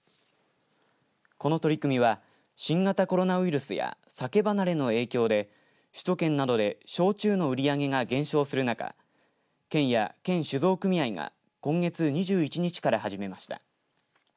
この取り組みは新型コロナウイルスや酒離れの影響で首都圏などで焼酎の売り上げが減少する中県や県酒造組合が今月２１日から始めました。